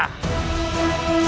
aku akan menanggungmu